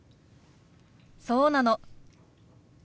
そうなの。